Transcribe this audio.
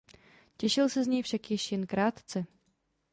Těšil se z něj však již jen krátce.